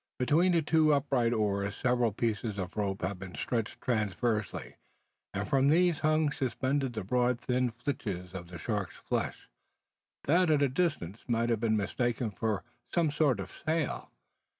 Between the two upright oars several pieces of rope had been stretched transversely, and from these hung suspended the broad thin flitches of the shark's flesh, that at a distance might have been mistaken for some sort of a sail.